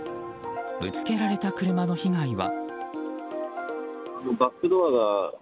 ぶつけられた車の被害は。